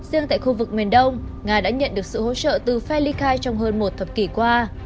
riêng tại khu vực miền đông nga đã nhận được sự hỗ trợ từ felli khai trong hơn một thập kỷ qua